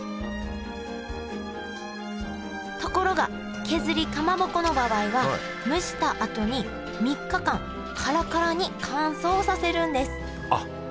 ところが削りかまぼこの場合は蒸したあとに３日間カラカラに乾燥させるんですあっ！